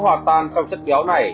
hòa tan trong chất béo này